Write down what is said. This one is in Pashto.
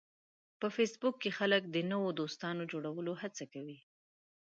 په فېسبوک کې خلک د نوو دوستانو جوړولو هڅه کوي